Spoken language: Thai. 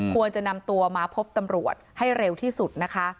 ควรจะนำตัวมาพบตำรวจให้เร็วที่สุดนะคะ